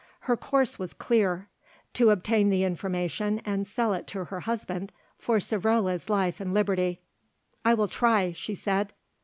Her course was clear; to obtain the information and sell it to her husband for Savrola's life and liberty. "I will try," she said.